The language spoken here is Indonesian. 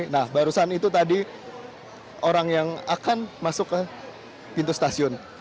nah barusan itu tadi orang yang akan masuk ke pintu stasiun